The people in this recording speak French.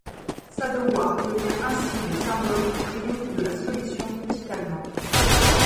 Sadowa devient ainsi le symbole du triomphe de la solution petite-allemande.